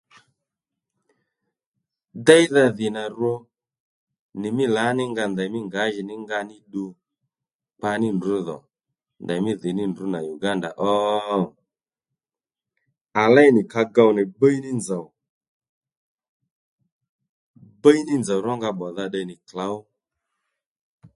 Déydha dhì nà rwo nì mí lǎní nga ndèymí ngǎjìnínga ní ddu kpa ní ndrǔ dhò ndèymí dhì ní ndrǔ nà Uganda ó? À léy nì ka gow nì bíy ní nzòw Bbíy ní nzòw rónga pbò-dha tde nì klǒw